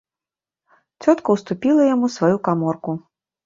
Цётка ўступіла яму сваю каморку.